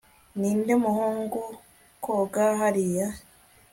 Ninde muhungu koga hariya